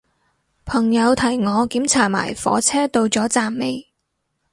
朋友提我檢查埋火車到咗站未